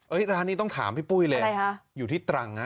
ร้านนี้ต้องถามพี่ปุ้ยเลยอยู่ที่ตรังนะ